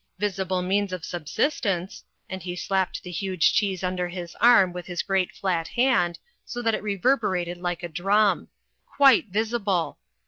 Visible means of subsistence," and he slapped the huge cheese under his arm with his great flat hand, so that it reverberated like a drum. "Quite visible.